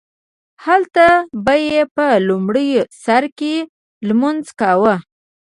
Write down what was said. هلته به یې په لومړي سرکې لمونځ کاوو.